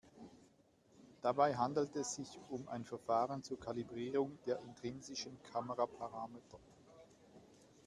Dabei handelt es sich um ein Verfahren zur Kalibrierung der intrinsischen Kameraparameter.